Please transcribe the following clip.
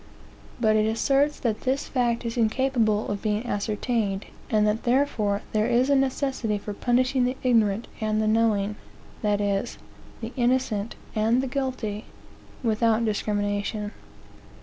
But it asserts that this fact is incapable of being ascertained, and that therefore there is a necessity for punishing the ignorant and the knowing that is, the innocent and the guilty without discrimination.